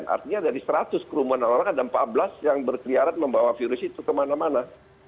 artinya dari seratus kerumunan orang ada empat belas yang berkeliaran membawa virus itu kemana mana